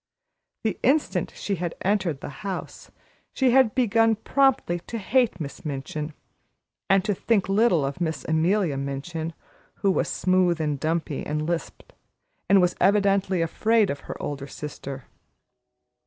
The instant she had entered the house, she had begun promptly to hate Miss Minchin, and to think little of Miss Amelia Minchin, who was smooth and dumpy, and lisped, and was evidently afraid of her older sister.